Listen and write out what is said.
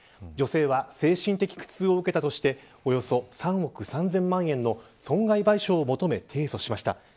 女性は精神的苦痛を受けたとしておよそ３億３０００万円の損害賠償を求め提訴しました。